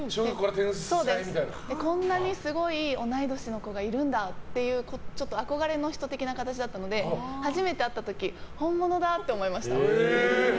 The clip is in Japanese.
こんなにすごい同い年の子がいるんだっていう憧れの人的な感じだったので初めて会った時本物だ！って思いました。